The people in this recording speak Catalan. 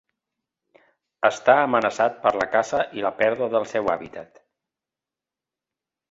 Està amenaçat per la caça i la pèrdua del seu hàbitat.